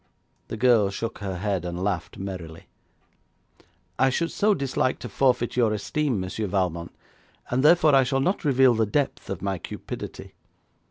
The girl shook her head and laughed merrily. 'I should so dislike to forfeit your esteem, Monsieur Valmont, and therefore I shall not reveal the depth of my cupidity.